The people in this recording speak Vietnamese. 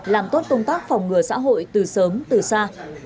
làm tốt công tác phòng ngừa xã hội từ sớm từ xa